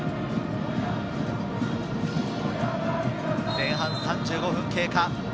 前半３５分経過。